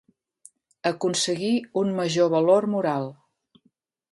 Aconseguí un major valor moral.